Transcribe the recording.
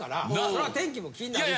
そら天気も気になるし。